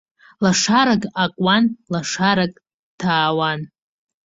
Лашарак акуан, лашарак ҭаауан.